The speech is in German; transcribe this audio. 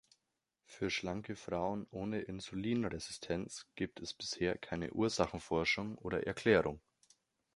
Für schlanke Frauen ohne Insulinresistenz gibt es bisher keine Ursachenforschung oder Erklärung.